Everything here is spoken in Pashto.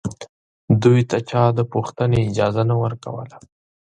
دوی ته چا د پوښتنې اجازه نه ورکوله